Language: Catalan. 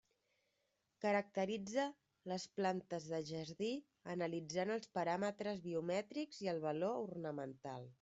Caracteritza les plantes de jardí, analitzant els paràmetres biomètrics i el valor ornamental.